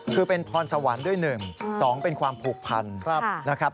คือเป็นพรสวรรค์ด้วยหนึ่งสองเป็นความผูกพันธ์นะครับ